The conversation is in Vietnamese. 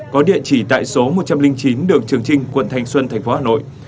có địa chỉ tại số một trăm linh chín đường trường trinh quận thanh xuân thành phố hà nội